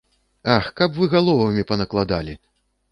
Ах, каб вы галовамі панакладалі!